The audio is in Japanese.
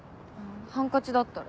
ハンカチだったら。